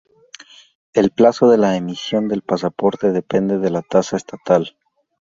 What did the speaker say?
El plazo de la emisión del pasaporte depende de la tasa estatal.